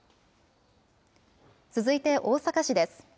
続いて大阪市です。